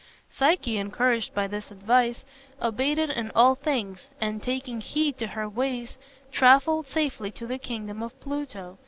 Psyche, encouraged by this advice, obeyed it in all things, and taking heed to her ways travelled safely to the kingdom of Pluto.